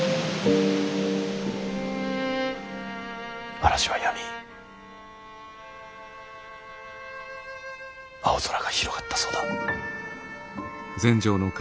嵐はやみ青空が広がったそうだ。